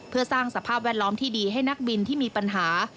เพื่อสร้างสภาพแวดล้อมที่ดีให้นักบินที่มีปัญหา